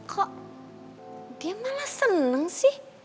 kok dia malah seneng sih